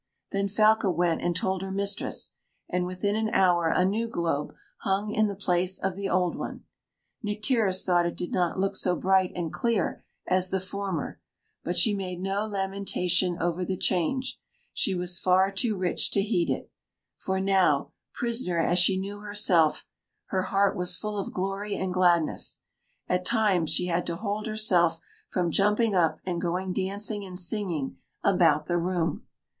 Then Falca went and told her mistress, and within an hour a new globe hung in the place of the old one. Nycteris thought it did not look so bright and clear as the former, but she made no lamentation over the change; she was far too rich to heed it. For now, prisoner as she knew herself, her heart was full of glory and gladness; at times she had to hold herself from jumping up and going dancing and singing about the room.